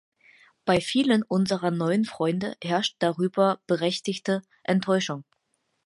Bei vielen unserer neuen Freunde herrscht darüber berechtigte Enttäuschung.